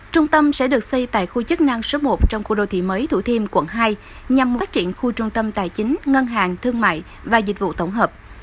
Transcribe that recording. trung tâm sẽ được xây tại khu chức năng số một trong khu đô thị mới thủ thiêm quận hai nhằm phát triển khu trung tâm tài chính ngân hàng thương mại và dịch vụ tổng hợp